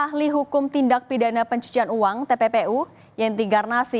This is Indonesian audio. menurut ahli hukum tindak pidana pencucian uang